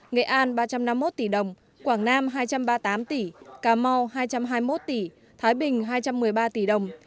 nghệ an ba trăm năm mươi một tỷ đồng quảng nam hai trăm ba mươi tám tỷ cà mau hai trăm hai mươi một tỷ thái bình hai trăm một mươi ba tỷ đồng